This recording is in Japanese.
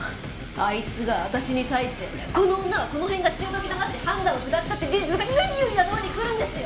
「あいつが私に対してこの女はこの辺が潮時だなって判断を下したって事実が何より頭にくるんですよ！」